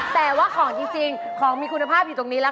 แต่ว่าของจริงของมีคุณภาพอยู่ตรงนี้แล้วค่ะ